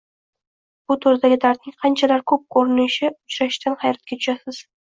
bu turdagi dardning qanchalar ko’p ko’rinishi uchrashidan hayratga tushasiz